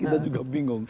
kita juga bingung